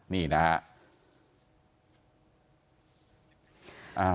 นี่นะ